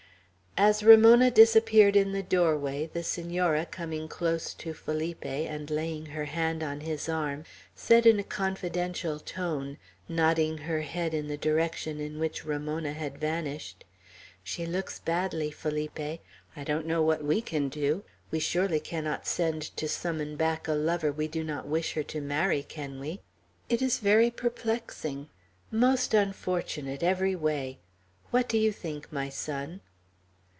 As Ramona disappeared in the doorway, the Senora, coming close to Felipe, and laying her hand on his arm, said in a confidential tone, nodding her head in the direction in which Ramona had vanished: "She looks badly, Felipe. I don't know what we can do. We surely cannot send to summon back a lover we do not wish her to marry, can we? It is very perplexing. Most unfortunate, every way. What do you think, my son?"